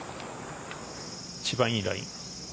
一番いいライン。